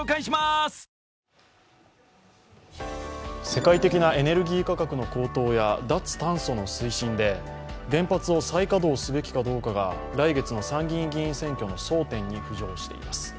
世界的なエネルギー価格の高騰や脱炭素の推進で、原発を再稼働すべきかどうかが来月の参議院議員選挙の争点に浮上しています。